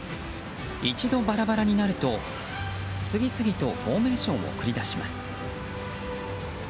一度バラバラになると、次々とフォーメーションを繰り出します。